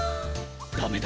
ダメだ。